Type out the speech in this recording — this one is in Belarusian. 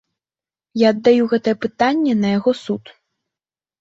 Я аддаю гэтае пытанне на яго суд.